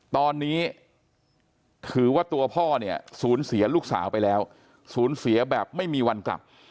ตอนนี้ถือว่าตัวพ่อเนี่ยสูญเสียลูกสาวไปแล้วสูญเสียแบบไม่มีวันกลับ